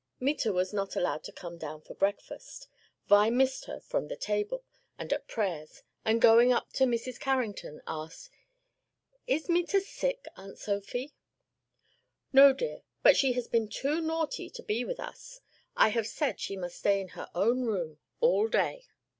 Meta was not allowed to come down to breakfast. Vi missed her from the table, and at prayers, and going up to Mrs. Carrington, asked, "Is Meta sick, Aunt Sophie?" "No, dear, but she has been too naughty to be with us. I have said she must stay in her own room all day."